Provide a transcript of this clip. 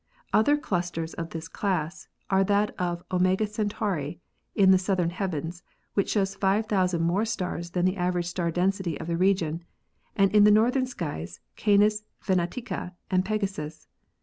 Other clus ters of this class are that of Omega Centauri in the south ern heavens, which shows 5,000 more stars than the average star density of the region, and in the northern sky Canes Venatici and Pegasus.